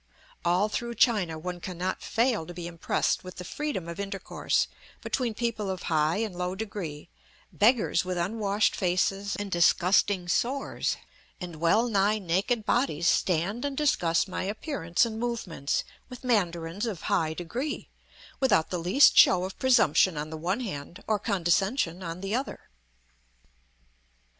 All through China one cannot fail to be impressed with the freedom of intercourse between people of high and low degree; beggars with unwashed faces and disgusting sores and well nigh naked bodies stand and discuss my appearance and movements with mandarins of high degree, without the least show of presumption on the one hand or condescension on the other.